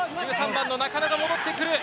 １３番の中野が戻ってくる。